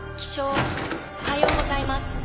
おはようございます。